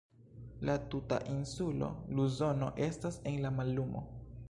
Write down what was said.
La tuta insulo Luzono estas en la mallumo.